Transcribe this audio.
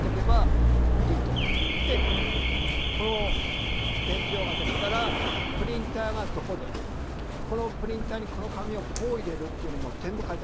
でこの伝票ができたらプリンターがどこでこのプリンターにこの紙をこう入れるっていうのも全部書いてあります。